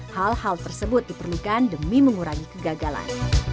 hal hal tersebut diperlukan demi mengurangi kegagalan